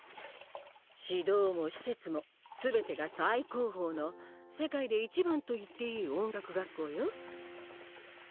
指導も施設も全てが最高峰の世界で一番と言っていい音楽学校よ。